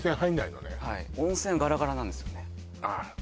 はい温泉ガラガラなんですよねあっ